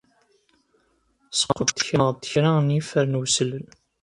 Squccemeɣ-d kra n yifer n weslen.